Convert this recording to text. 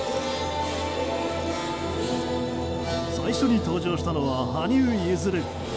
最初に登場したのは羽生結弦。